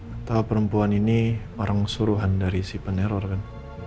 atau perempuan ini orang suruhan dari si peneror kan